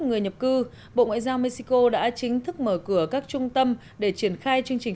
người nhập cư bộ ngoại giao mexico đã chính thức mở cửa các trung tâm để triển khai chương trình